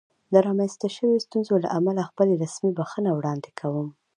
د رامنځته شوې ستونزې له امله خپله رسمي بښنه وړاندې کوم.